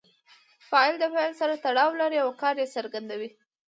فاعل د فعل سره تړاو لري او کار ئې څرګندوي.